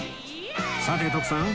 さて徳さん